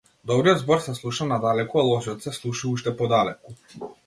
Добриот збор се слуша надалеку, а лошиот се слуша уште подалеку.